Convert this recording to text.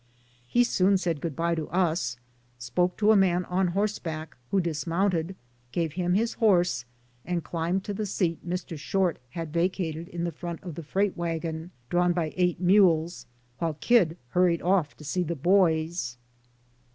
He soon said good bye to us, spoke to a man on horseback, who dismounted, gave him his horse and climbed to the seat Mr. Short had vacated in the front of the freight wagon, drawn by eight mules, while Kid hurried off to see the boys.